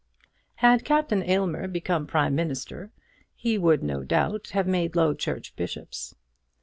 Had Captain Aylmer become Prime Minister, he would no doubt, have made Low Church bishops.